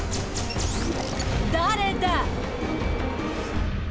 誰だ。